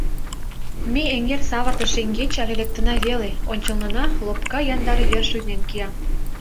Ме эҥер савыртыш шеҥгеч але лектына веле — ончылнына лопка яндар вер шуйнен кия.